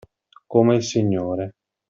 Come il signore.